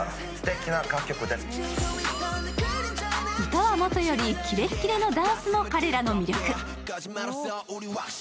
歌はもとより、キレッキレのダンスも彼らの魅力。